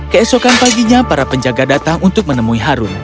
keesokan paginya para penjaga datang untuk menemui harun